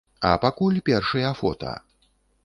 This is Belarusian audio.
А пакуль першыя фота.